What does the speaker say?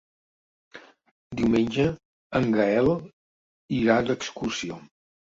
Diumenge en Gaël irà d'excursió.